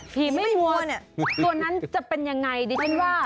ตัวนั้นจะเป็นยังไงดิฉันว่า